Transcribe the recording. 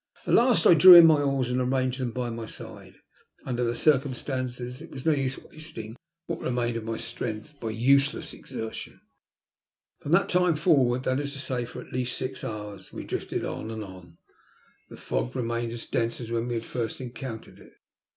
At last I drew in my oars and arranged them by my side. Under the circumstances it was no use wasting what remained of my strength by useless exertion. From that time forward — that is to say for at least six hours — ^we drifted on and on, the fog remaining as dense as when we had first encountered it.